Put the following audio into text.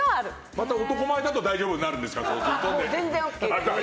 また男前だと大丈夫になるんですか。